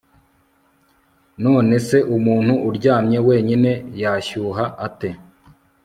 none se umuntu uryamye wenyine yashyuha ate